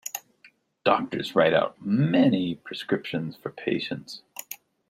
Doctors write out many prescriptions for patients